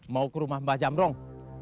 mau ke rumah mbak jamrong